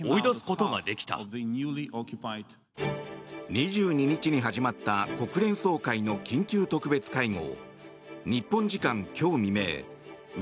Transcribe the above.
２２日に始まった国連総会の緊急特別会合。